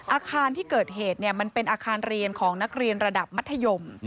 อาคารที่เกิดเหตุมันเป็นอาคารเรียนของนักเรียนระดับมัธยม